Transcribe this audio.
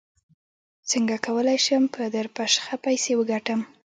څنګه کولی شم په درپشخه پیسې وګټم